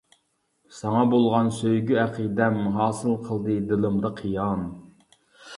ساڭا بولغان سۆيگۈ ئەقىدەم، ھاسىل قىلدى دىلىمدا قىيان.